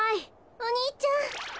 お兄ちゃん。